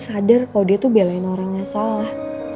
sadar kalau dia tuh belain orangnya salah